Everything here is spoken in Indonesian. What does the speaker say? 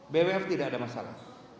bwf tidak ada masalah